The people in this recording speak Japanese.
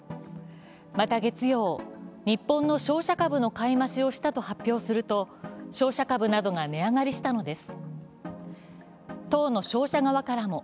また月曜、日本の商社株の買い増しをしたと発表すると商社株などが値上がりしたのです。